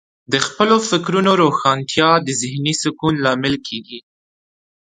د خپلو فکرونو روښانتیا د ذهنې سکون لامل کیږي.